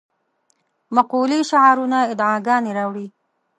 مقولې شعارونه ادعاګانې راوړې.